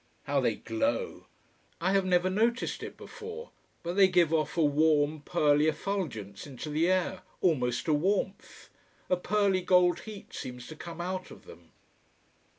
How they glow! I have never noticed it before. But they give off a warm, pearly effulgence into the air, almost a warmth. A pearly gold heat seems to come out of them.